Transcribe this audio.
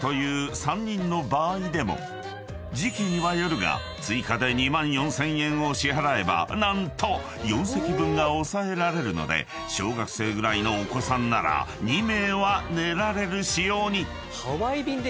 ［時期にはよるが追加で２万４，０００円を支払えば何と４席分が押さえられるので小学生ぐらいのお子さんなら２名は寝られる仕様に］